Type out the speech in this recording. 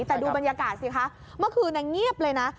แต่ดูบรรยากาศสิคะเมื่อคืนเงียบเลยนะ